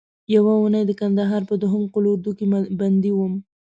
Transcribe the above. یوه اونۍ د کندهار په دوهم قول اردو کې بندي وم.